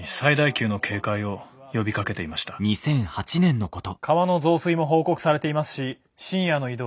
「川の増水も報告されていますし深夜の移動はとても危険です。